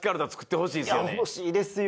ほしいですよ。